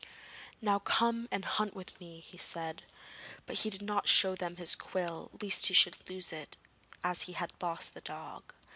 'Now come and hunt with me,' he said; but he did not show them his quill lest he should lose it as he had lost the dog.